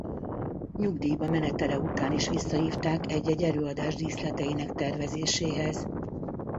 Nyugdíjba menetele után is visszahívták egy-egy előadás díszleteinek tervezéséhez.